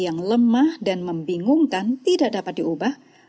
yang lemah dan membingungkan tidak dapat diubah